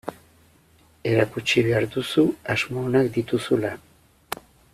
Erakutsi behar duzu asmo onak dituzula.